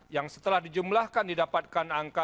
yang setelah di jumlahkan didapatkan angka